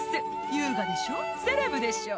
「優雅でしょセレブでしょ」